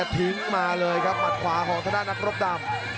ทิ้งมาเลยครับหมัดขวาของทางด้านนักรบดำ